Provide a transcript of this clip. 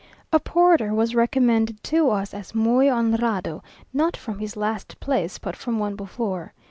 A porter was recommended to us as "muy honrado;" not from his last place, but from one before.